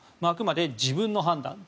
あくまで自分の判断